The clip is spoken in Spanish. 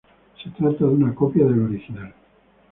Se trata de una copia del original.